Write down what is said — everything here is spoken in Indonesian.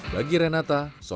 bagi renata sosial